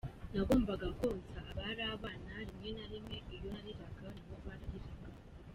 Nagombaga konsa abari abana, rimwe na rimwe iyo nariraga nabo barariraga.